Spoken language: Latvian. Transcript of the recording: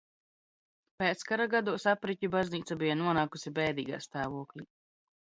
Pēckara gados Apriķu baznīca bija nonākusi bēdīgā stāvoklī.